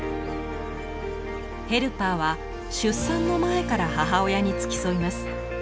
ヘルパーは出産の前から母親に付き添います。